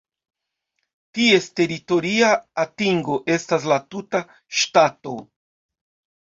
Ties teritoria atingo estas la tuta ŝtato.